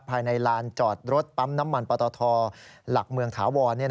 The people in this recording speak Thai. ภายในลานจอดรถปั๊มน้ำมันปตทหลักเมืองถาวร